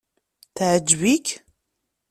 Teɛǧeb-ik?